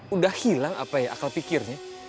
udah hilang apa ya akal pikirnya